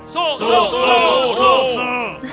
สู้สู้สู้